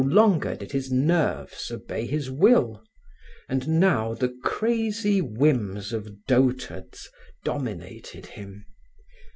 No longer did his nerves obey his will; and now the crazy whims of dotards dominated him.